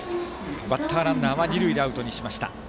バッターランナーは二塁でアウトにしました。